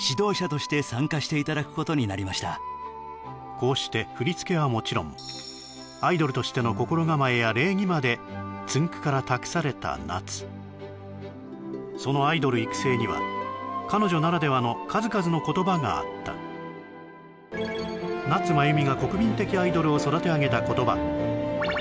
こうして振り付けはもちろんアイドルとしての心構えや礼儀までつんく♂から託された夏そのアイドル育成には彼女ならではの数々の言葉があったしかし時にはことも違う！